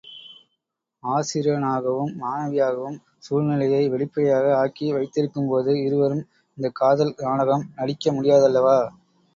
ஆசிரியனாகவும் மாணவியாகவும் சூழ்நிலையை வெளிப்படையாக ஆக்கி வைத்திருக்கும்போது இருவரும் இந்தக் காதல் நாடகம் நடிக்க முடியாதல்லவா?